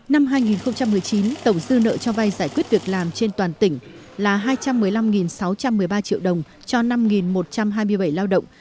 năm hai nghìn một mươi chín tổng dư nợ cho vay giải quyết việc làm trên toàn tỉnh là hai trăm một mươi năm sáu trăm một mươi ba triệu đồng cho năm một trăm hai mươi bảy lao động